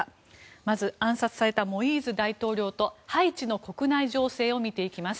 まず暗殺されたモイーズ大統領とハイチの国内情勢を見ていきます。